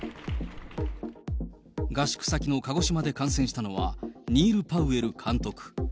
合宿先の鹿児島で感染したのは、ニール・パウエル監督。